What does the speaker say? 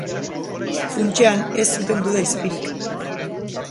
Funtsean ez zuten duda izpirik.